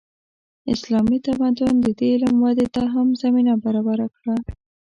اسلامي تمدن د دې علم ودې ته هم زمینه برابره کړه.